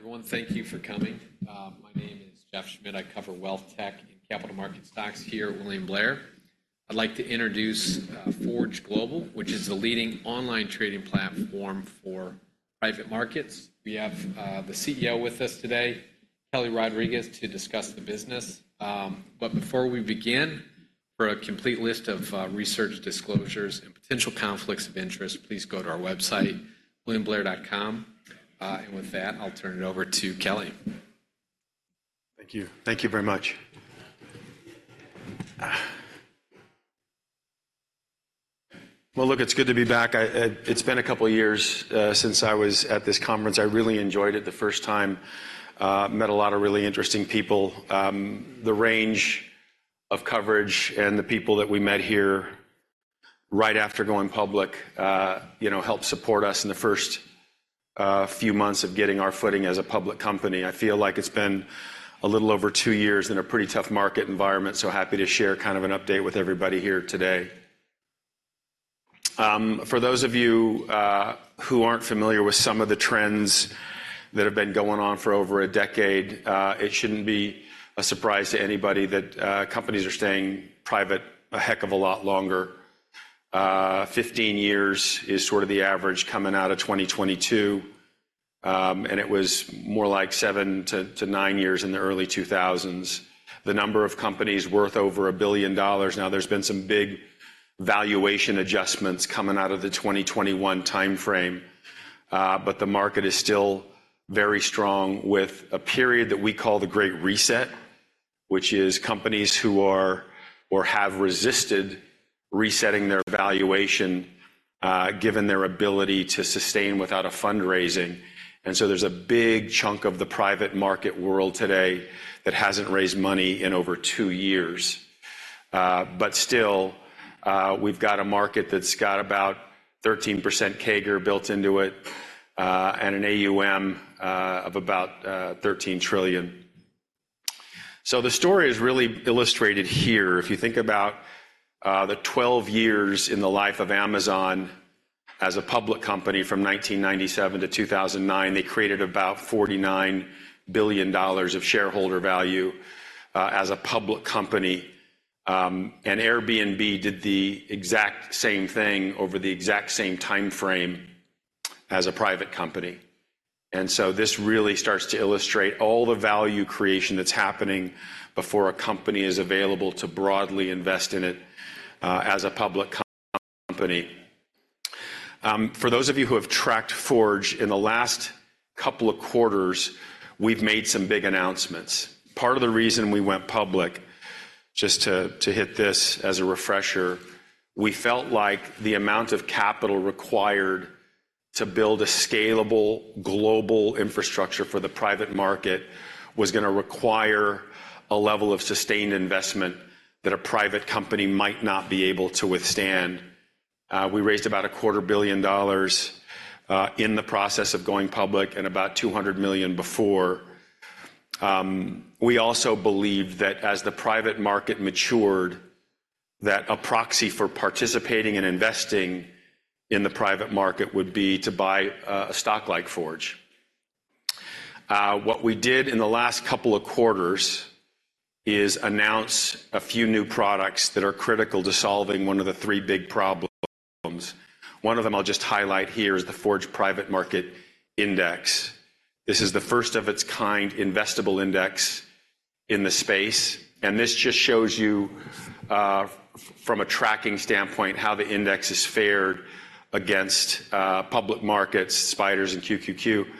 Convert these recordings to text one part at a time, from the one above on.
Good afternoon, everyone. Thank you for coming. My name is Jeff Schmitt. I cover wealth tech and capital market stocks here at William Blair. I'd like to introduce Forge Global, which is the leading online trading platform for private markets. We have the CEO with us today, Kelly Rodriques, to discuss the business. But before we begin, for a complete list of research disclosures and potential conflicts of interest, please go to our website, WilliamBlair.com. With that, I'll turn it over to Kelly. Thank you. Thank you very much. Well, look, it's good to be back. It's been a couple of years since I was at this conference. I really enjoyed it. The first time, I met a lot of really interesting people. The range of coverage and the people that we met here right after going public helped support us in the first few months of getting our footing as a public company. I feel like it's been a little over 2 years in a pretty tough market environment, so happy to share kind of an update with everybody here today. For those of you who aren't familiar with some of the trends that have been going on for over a decade, it shouldn't be a surprise to anybody that companies are staying private a heck of a lot longer. 15 years is sort of the average coming out of 2022, and it was more like 7-9 years in the early 2000s. The number of companies worth over $1 billion. Now, there's been some big valuation adjustments coming out of the 2021 timeframe, but the market is still very strong with a period that we call the Great Reset, which is companies who have resisted resetting their valuation given their ability to sustain without a fundraising. And so there's a big chunk of the private market world today that hasn't raised money in over 2 years. But still, we've got a market that's got about 13% CAGR built into it and an AUM of about $13 trillion. So the story is really illustrated here. If you think about the 12 years in the life of Amazon as a public company from 1997 to 2009, they created about $49 billion of shareholder value as a public company. Airbnb did the exact same thing over the exact same timeframe as a private company. So this really starts to illustrate all the value creation that's happening before a company is available to broadly invest in it as a public company. For those of you who have tracked Forge, in the last couple of quarters, we've made some big announcements. Part of the reason we went public, just to hit this as a refresher, we felt like the amount of capital required to build a scalable global infrastructure for the private market was going to require a level of sustained investment that a private company might not be able to withstand. We raised about $250 million in the process of going public and about $200 million before. We also believed that as the private market matured, that a proxy for participating and investing in the private market would be to buy a stock like Forge. What we did in the last couple of quarters is announce a few new products that are critical to solving one of the three big problems. One of them I'll just highlight here is the Forge Private Market Index. This is the first of its kind investable index in the space. And this just shows you, from a tracking standpoint, how the index is fared against public markets, SPDRs and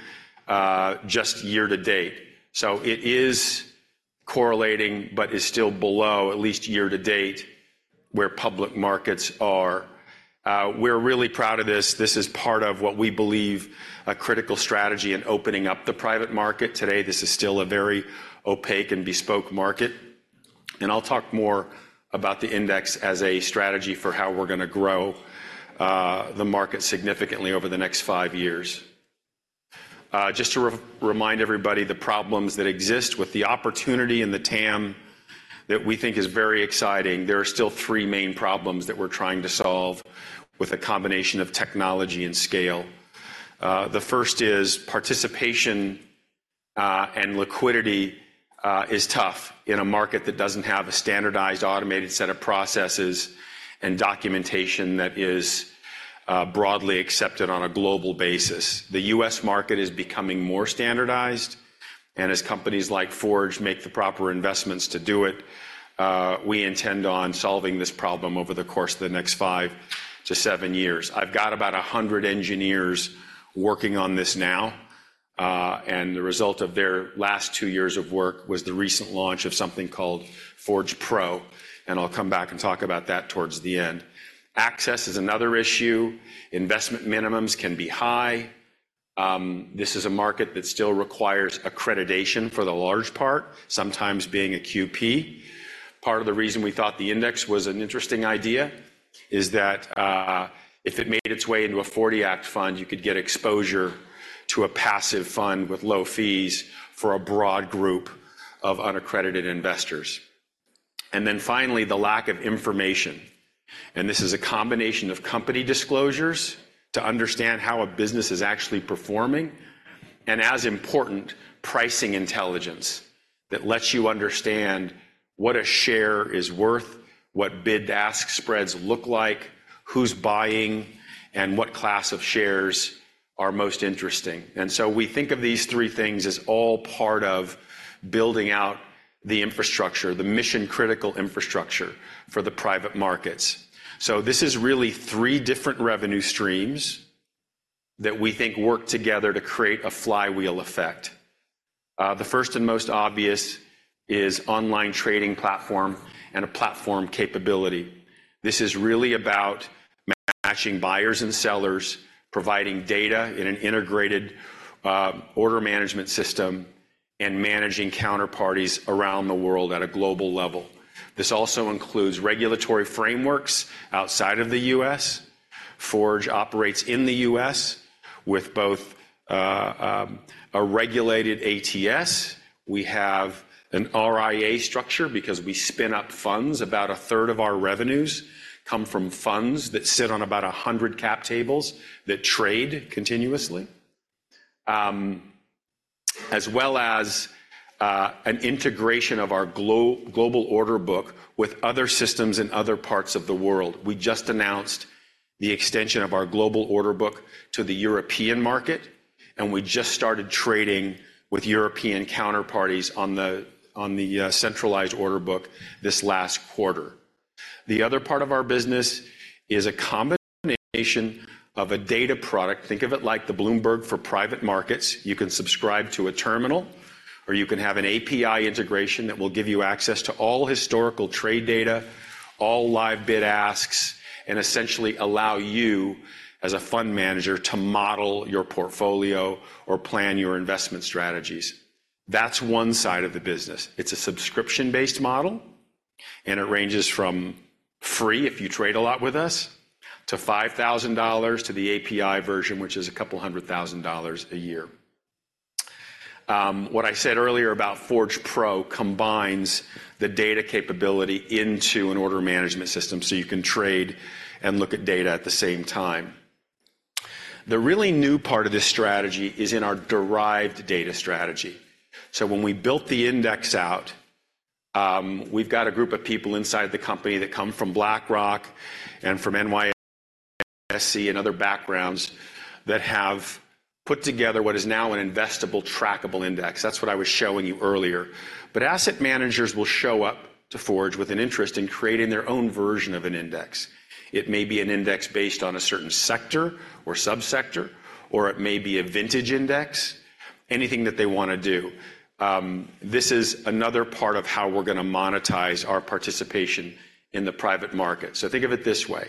QQQ, just year to date. So it is correlating but is still below, at least year to date, where public markets are. We're really proud of this. This is part of what we believe a critical strategy in opening up the private market. Today, this is still a very opaque and bespoke market. I'll talk more about the index as a strategy for how we're going to grow the market significantly over the next five years. Just to remind everybody the problems that exist with the opportunity in the TAM that we think is very exciting, there are still three main problems that we're trying to solve with a combination of technology and scale. The first is participation and liquidity is tough in a market that doesn't have a standardized automated set of processes and documentation that is broadly accepted on a global basis. The U.S. market is becoming more standardized, and as companies like Forge make the proper investments to do it, we intend on solving this problem over the course of the next 5-7 years. I've got about 100 engineers working on this now, and the result of their last 2 years of work was the recent launch of something called Forge Pro, and I'll come back and talk about that towards the end. Access is another issue. Investment minimums can be high. This is a market that still requires accreditation for the large part, sometimes being a QP. Part of the reason we thought the index was an interesting idea is that if it made its way into a 40-Act fund, you could get exposure to a passive fund with low fees for a broad group of unaccredited investors. And then finally, the lack of information. This is a combination of company disclosures to understand how a business is actually performing, and as important, pricing intelligence that lets you understand what a share is worth, what bid-ask spreads look like, who's buying, and what class of shares are most interesting. We think of these three things as all part of building out the infrastructure, the mission-critical infrastructure for the private markets. This is really three different revenue streams that we think work together to create a flywheel effect. The first and most obvious is online trading platform and a platform capability. This is really about matching buyers and sellers, providing data in an integrated order management system, and managing counterparties around the world at a global level. This also includes regulatory frameworks outside of the U.S. Forge operates in the U.S. with both a regulated ATS. We have an RIA structure because we spin up funds. About a third of our revenues come from funds that sit on about 100 cap tables that trade continuously, as well as an integration of our global order book with other systems in other parts of the world. We just announced the extension of our global order book to the European market, and we just started trading with European counterparties on the centralized order book this last quarter. The other part of our business is a combination of a data product. Think of it like the Bloomberg for private markets. You can subscribe to a terminal, or you can have an API integration that will give you access to all historical trade data, all live bid-asks, and essentially allow you, as a fund manager, to model your portfolio or plan your investment strategies. That's one side of the business. It's a subscription-based model, and it ranges from free, if you trade a lot with us, to $5,000 to the API version, which is $200,000 a year. What I said earlier about Forge Pro combines the data capability into an order management system so you can trade and look at data at the same time. The really new part of this strategy is in our derived data strategy. So when we built the index out, we've got a group of people inside the company that come from BlackRock and from NYSE and other backgrounds that have put together what is now an investable trackable index. That's what I was showing you earlier. But asset managers will show up to Forge with an interest in creating their own version of an index. It may be an index based on a certain sector or subsector, or it may be a vintage index, anything that they want to do. This is another part of how we're going to monetize our participation in the private market. So think of it this way.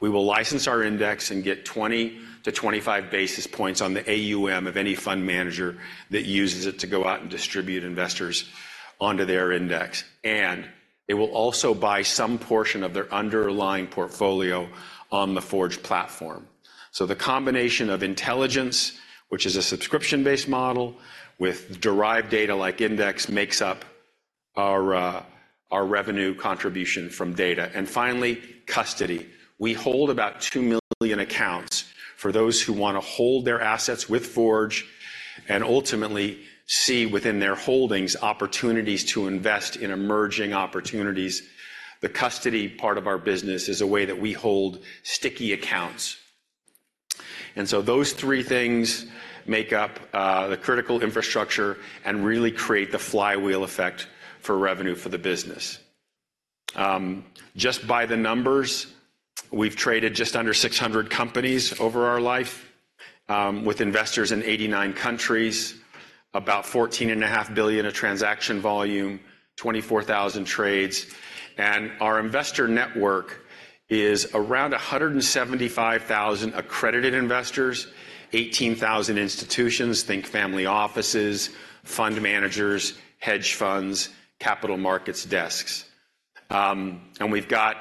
We will license our index and get 20-25 basis points on the AUM of any fund manager that uses it to go out and distribute investors onto their index. And they will also buy some portion of their underlying portfolio on the Forge platform. So the combination of intelligence, which is a subscription-based model with derived data like index, makes up our revenue contribution from data. And finally, custody. We hold about 2 million accounts for those who want to hold their assets with Forge and ultimately see within their holdings opportunities to invest in emerging opportunities. The custody part of our business is a way that we hold sticky accounts. And so those three things make up the critical infrastructure and really create the flywheel effect for revenue for the business. Just by the numbers, we've traded just under 600 companies over our life with investors in 89 countries, about $14.5 billion of transaction volume, 24,000 trades. And our investor network is around 175,000 accredited investors, 18,000 institutions, think family offices, fund managers, hedge funds, capital markets desks. And we've got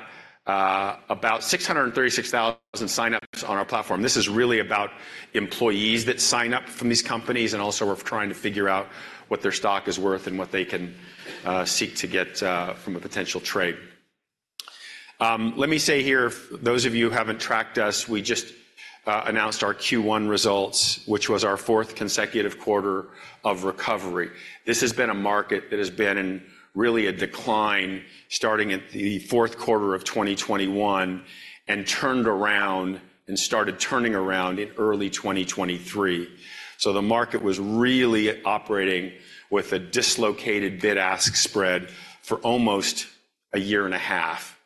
about 636,000 signups on our platform. This is really about employees that sign up from these companies and also are trying to figure out what their stock is worth and what they can seek to get from a potential trade. Let me say here, those of you who haven't tracked us, we just announced our Q1 results, which was our fourth consecutive quarter of recovery. This has been a market that has been in really a decline starting at the fourth quarter of 2021 and turned around and started turning around in early 2023. The market was really operating with a dislocated bid-ask spread for almost a year and a half.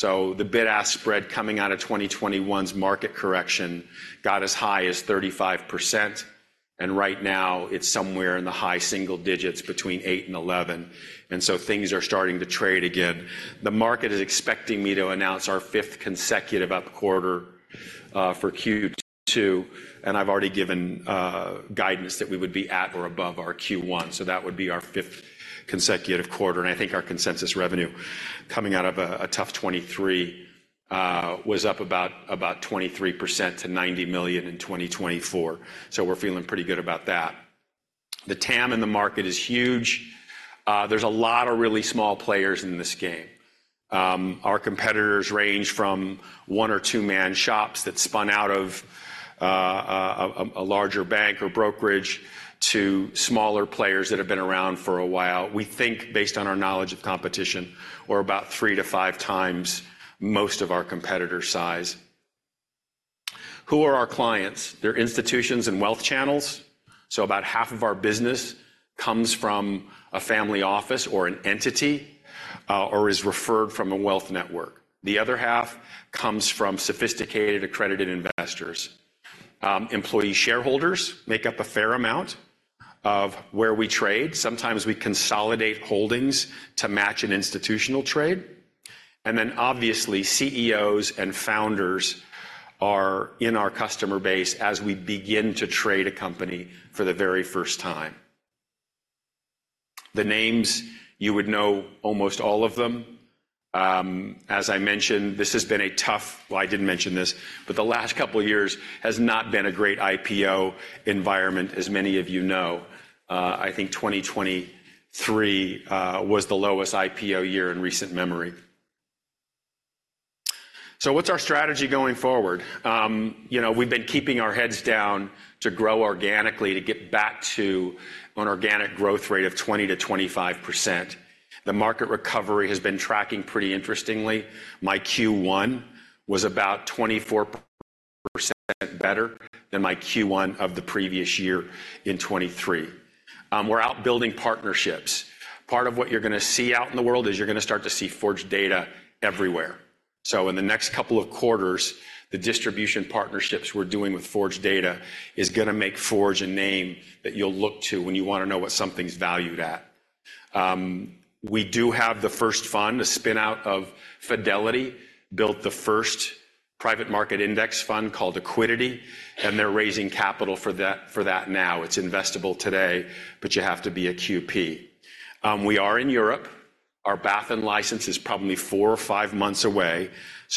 The bid-ask spread coming out of 2021's market correction got as high as 35%, and right now it's somewhere in the high single digits between eight and 11. Things are starting to trade again. The market is expecting me to announce our fifth consecutive up quarter for Q2, and I've already given guidance that we would be at or above our Q1. That would be our fifth consecutive quarter. And I think our consensus revenue coming out of a tough 2023 was up about 23% to $90 million in 2024. So we're feeling pretty good about that. The TAM in the market is huge. There's a lot of really small players in this game. Our competitors range from one or two-man shops that spun out of a larger bank or brokerage to smaller players that have been around for a while. We think, based on our knowledge of competition, we're about three to five times most of our competitor size. Who are our clients? They're institutions and wealth channels. So about half of our business comes from a family office or an entity or is referred from a wealth network. The other half comes from sophisticated accredited investors. Employee shareholders make up a fair amount of where we trade. Sometimes we consolidate holdings to match an institutional trade. And then obviously, CEOs and founders are in our customer base as we begin to trade a company for the very first time. The names, you would know almost all of them. As I mentioned, this has been a tough, well, I didn't mention this, but the last couple of years has not been a great IPO environment, as many of you know. I think 2023 was the lowest IPO year in recent memory. So what's our strategy going forward? We've been keeping our heads down to grow organically, to get back to an organic growth rate of 20%-25%. The market recovery has been tracking pretty interestingly. My Q1 was about 24% better than my Q1 of the previous year in 2023. We're out building partnerships. Part of what you're going to see out in the world is you're going to start to see Forge Data everywhere. So in the next couple of quarters, the distribution partnerships we're doing with Forge Data is going to make Forge a name that you'll look to when you want to know what something's valued at. We do have the first fund, a spinout of Fidelity, built the first private market index fund called Accuidity, and they're raising capital for that now. It's investable today, but you have to be a QP. We are in Europe. Our BaFin license is probably four or five months away.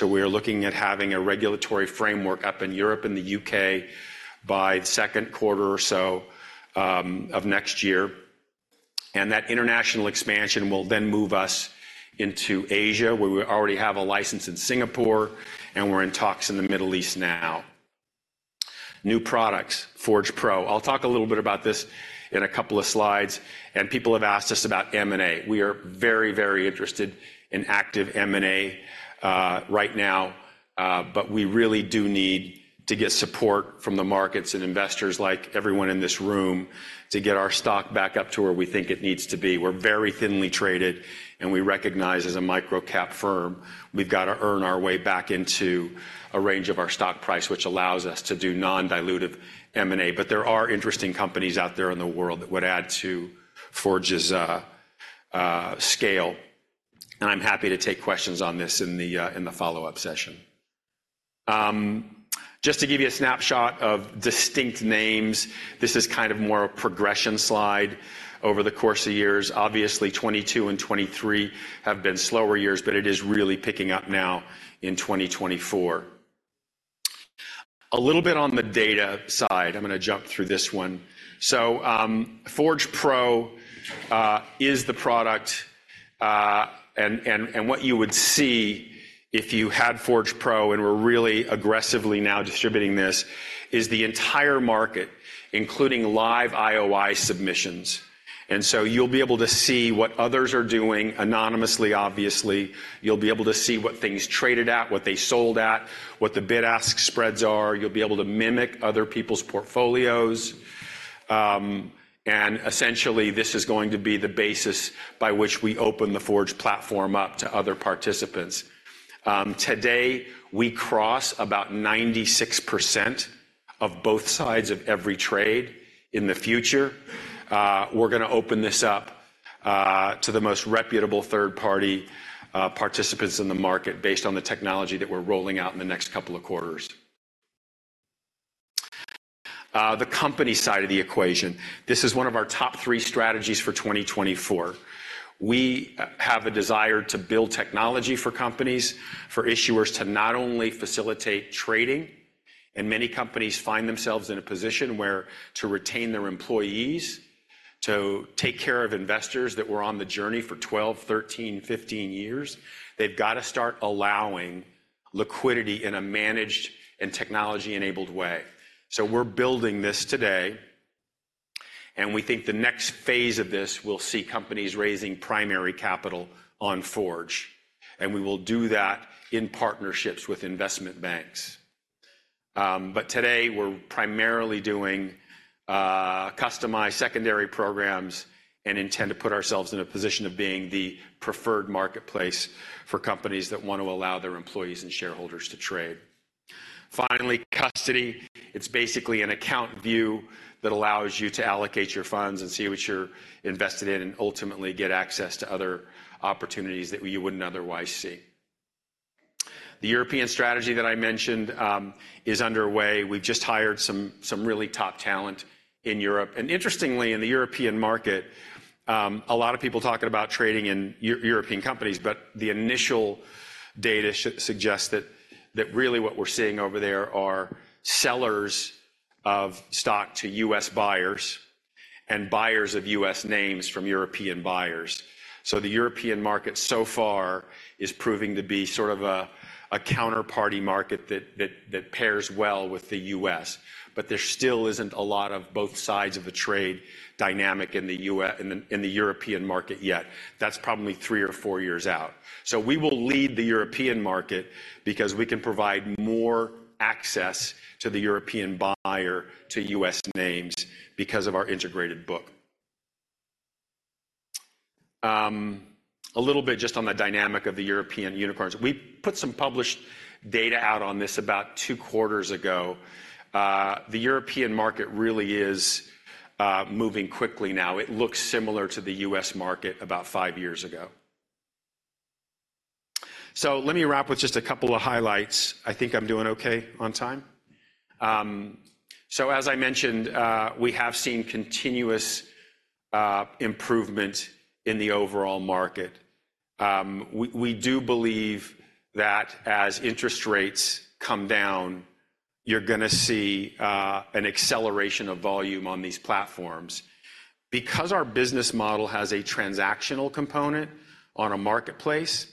We are looking at having a regulatory framework up in Europe and the U.K. by the second quarter or so of next year. That international expansion will then move us into Asia, where we already have a license in Singapore, and we're in talks in the Middle East now. New products, Forge Pro. I'll talk a little bit about this in a couple of slides. People have asked us about M&A. We are very, very interested in active M&A right now, but we really do need to get support from the markets and investors like everyone in this room to get our stock back up to where we think it needs to be. We're very thinly traded, and we recognize as a micro-cap firm, we've got to earn our way back into a range of our stock price, which allows us to do non-dilutive M&A. There are interesting companies out there in the world that would add to Forge's scale. I'm happy to take questions on this in the follow-up session. Just to give you a snapshot of distinct names, this is kind of more a progression slide over the course of years. Obviously, 2022 and 2023 have been slower years, but it is really picking up now in 2024. A little bit on the data side. I'm going to jump through this one. So Forge Pro is the product, and what you would see if you had Forge Pro and were really aggressively now distributing this is the entire market, including live IOI submissions. And so you'll be able to see what others are doing anonymously, obviously. You'll be able to see what things traded at, what they sold at, what the bid-ask spreads are. You'll be able to mimic other people's portfolios. And essentially, this is going to be the basis by which we open the Forge platform up to other participants. Today, we cross about 96% of both sides of every trade. In the future, we're going to open this up to the most reputable third-party participants in the market based on the technology that we're rolling out in the next couple of quarters. The company side of the equation. This is one of our top three strategies for 2024. We have a desire to build technology for companies, for issuers to not only facilitate trading. And many companies find themselves in a position where to retain their employees, to take care of investors that were on the journey for 12, 13, 15 years, they've got to start allowing liquidity in a managed and technology-enabled way. So we're building this today, and we think the next phase of this will see companies raising primary capital on Forge. And we will do that in partnerships with investment banks. Today, we're primarily doing customized secondary programs and intend to put ourselves in a position of being the preferred marketplace for companies that want to allow their employees and shareholders to trade. Finally, custody. It's basically an account view that allows you to allocate your funds and see what you're invested in and ultimately get access to other opportunities that you wouldn't otherwise see. The European strategy that I mentioned is underway. We've just hired some really top talent in Europe. Interestingly, in the European market, a lot of people talk about trading in European companies, but the initial data suggests that really what we're seeing over there are sellers of stock to U.S. buyers and buyers of U.S. names from European buyers. The European market so far is proving to be sort of a counterparty market that pairs well with the U.S. But there still isn't a lot of both sides of the trade dynamic in the European market yet. That's probably three or four years out. So we will lead the European market because we can provide more access to the European buyer to U.S. names because of our integrated book. A little bit just on the dynamic of the European unicorns. We put some published data out on this about two quarters ago. The European market really is moving quickly now. It looks similar to the U.S. market about five years ago. So let me wrap with just a couple of highlights. I think I'm doing okay on time. So as I mentioned, we have seen continuous improvement in the overall market. We do believe that as interest rates come down, you're going to see an acceleration of volume on these platforms because our business model has a transactional component on a marketplace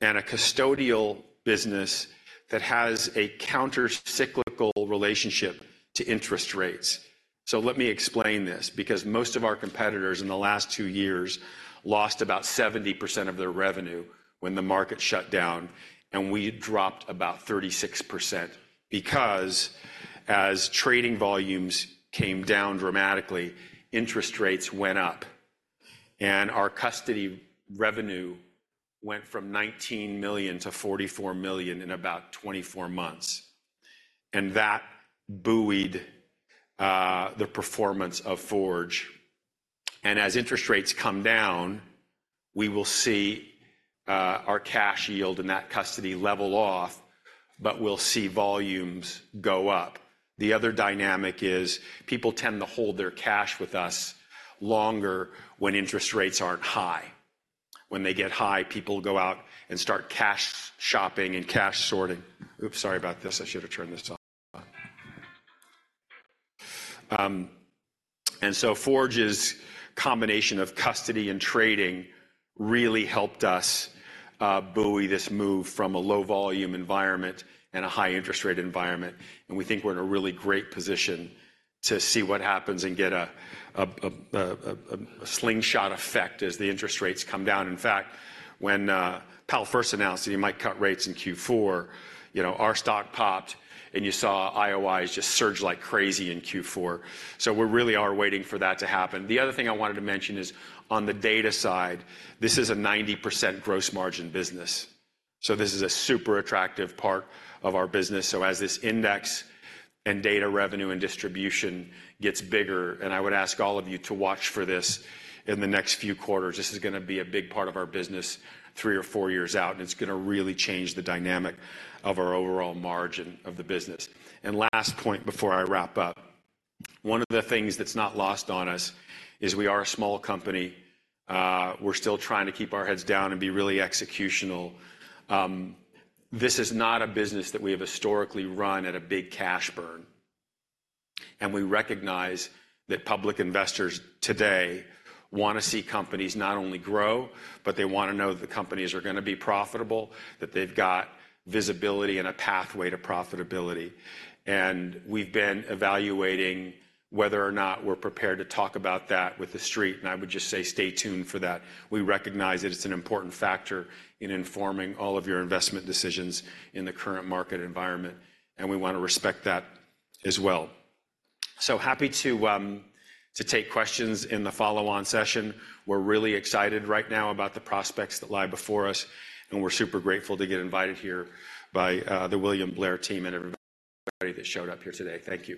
and a custodial business that has a countercyclical relationship to interest rates. So let me explain this because most of our competitors in the last 2 years lost about 70% of their revenue when the market shut down, and we dropped about 36% because as trading volumes came down dramatically, interest rates went up. And our custody revenue went from $19 million to $44 million in about 24 months. And that buoyed the performance of Forge. And as interest rates come down, we will see our cash yield and that custody level off, but we'll see volumes go up. The other dynamic is people tend to hold their cash with us longer when interest rates aren't high. When they get high, people go out and start cash shopping and cash sorting. Oops, sorry about this. I should have turned this off. So Forge's combination of custody and trading really helped us buoy this move from a low-volume environment and a high-interest rate environment. We think we're in a really great position to see what happens and get a slingshot effect as the interest rates come down. In fact, when Powell first announced that he might cut rates in Q4, our stock popped, and you saw IOIs just surge like crazy in Q4. So we really are waiting for that to happen. The other thing I wanted to mention is on the data side, this is a 90% gross margin business. So this is a super attractive part of our business. So as this index and data revenue and distribution gets bigger, and I would ask all of you to watch for this in the next few quarters, this is going to be a big part of our business three or four years out, and it's going to really change the dynamic of our overall margin of the business. And last point before I wrap up, one of the things that's not lost on us is we are a small company. We're still trying to keep our heads down and be really executional. This is not a business that we have historically run at a big cash burn. And we recognize that public investors today want to see companies not only grow, but they want to know that the companies are going to be profitable, that they've got visibility and a pathway to profitability. We've been evaluating whether or not we're prepared to talk about that with the street. I would just say stay tuned for that. We recognize that it's an important factor in informing all of your investment decisions in the current market environment, and we want to respect that as well. Happy to take questions in the follow-on session. We're really excited right now about the prospects that lie before us, and we're super grateful to get invited here by the William Blair team and everybody that showed up here today. Thank you.